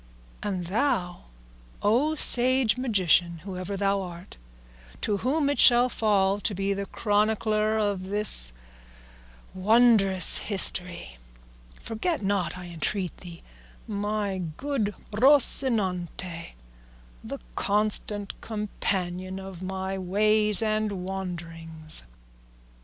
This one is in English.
And thou, O sage magician, whoever thou art, to whom it shall fall to be the chronicler of this wondrous history, forget not, I entreat thee, my good Rocinante, the constant companion of my ways and wanderings."